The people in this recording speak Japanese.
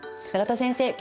永田先生